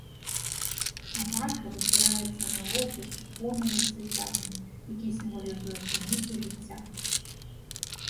Абака абапіраецца на лотас у поўным расцвітанні, які сімвалізуе крыніцу жыцця.